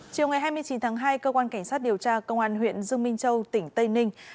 chiều ngày hai mươi chín tháng hai cơ quan cảnh sát điều tra công an huyện dương minh châu tỉnh tây ninh